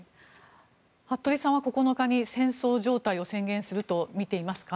服部さんは９日に戦争状態を宣言するとみていますか？